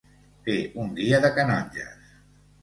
Fer un dia de canonges.